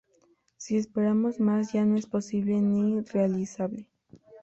Si esperamos más, ya no es posible ni realizable.